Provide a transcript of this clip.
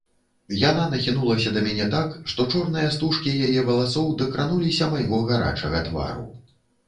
Яна нахінулася да мяне так, што чорныя стужкі яе валасоў дакрануліся майго гарачага твару.